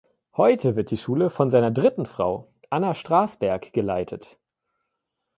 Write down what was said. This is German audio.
Heute wird die Schule von seiner dritten Frau, Anna Strasberg, geleitet.